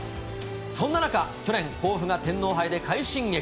そんな中、去年、甲府が天皇杯で快進撃。